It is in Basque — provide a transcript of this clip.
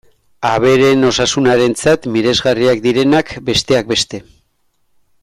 Abereen osasunarentzat miresgarriak direnak, besteak beste.